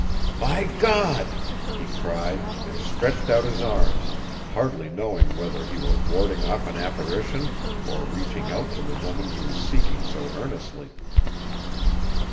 "My God!" he cried and stretched out his arms, hardly knowing whether he were warding off an apparition or reaching out to the woman he was seeking so earnestly.